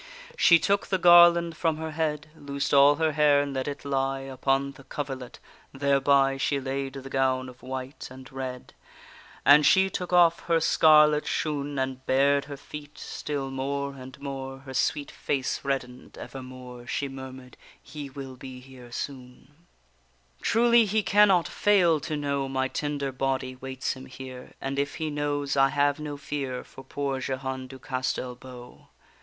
She took the garland from her head, Loosed all her hair, and let it lie Upon the coverlet; thereby She laid the gown of white and red; And she took off her scarlet shoon, And bared her feet; still more and more Her sweet face redden'd; evermore She murmur'd: He will be here soon; Truly he cannot fail to know My tender body waits him here; And if he knows, I have no fear For poor Jehane du Castel beau.